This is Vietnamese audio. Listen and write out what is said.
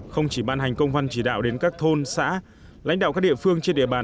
không chỉ ban hành công văn chỉ đạo đến các thôn xã lãnh đạo các địa phương trên địa bàn